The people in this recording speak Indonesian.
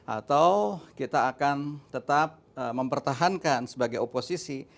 atau kita akan tetap mempertahankan sebagai oposisi